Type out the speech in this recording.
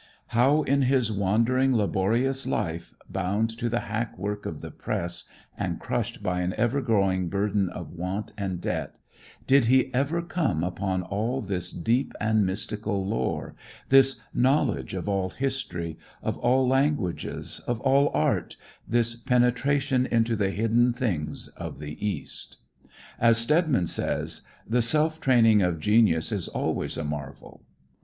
How in his wandering, laborious life, bound to the hack work of the press and crushed by an ever growing burden of want and debt, did he ever come upon all this deep and mystical lore, this knowledge of all history, of all languages, of all art, this penetration into the hidden things of the East? As Steadman says, "The self training of genius is always a marvel."